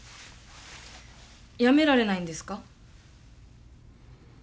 やめられないんですか？